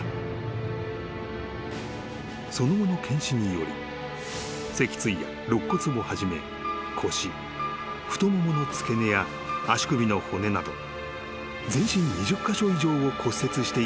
［その後の検視により脊椎や肋骨をはじめ腰太ももの付け根や足首の骨など全身２０カ所以上を骨折していたことが分かった］